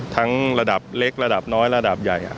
ระดับเล็กระดับน้อยระดับใหญ่